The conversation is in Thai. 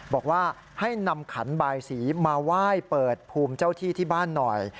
บอกว่าให้นำขันบายสีมาไหว้เปิดภูมิเจ้าที่ที่บ้านหน่อย